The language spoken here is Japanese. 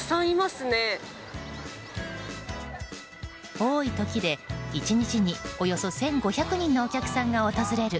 多い時で１日に、およそ１５００人のお客さんが訪れる